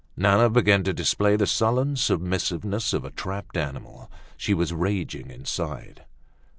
Nana began to display the sullen submissiveness of a trapped animal. She was raging inside.